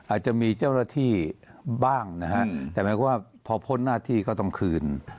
อาจจะมีเจ้าหน้าที่บ้างนะฮะแต่หมายความว่าพอพ้นหน้าที่ก็ต้องคืน